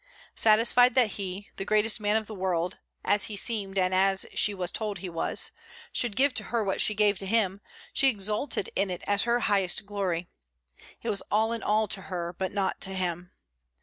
Satisfied that he, the greatest man of the world, as he seemed and as she was told he was, should give to her what she gave to him, she exulted in it as her highest glory. It was all in all to her; but not to him.